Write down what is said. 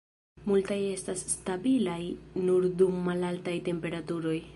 Multaj estas stabilaj nur dum malaltaj temperaturoj.